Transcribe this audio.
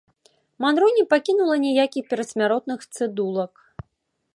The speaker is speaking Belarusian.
Манро не пакінула ніякіх перадсмяротных цыдулак.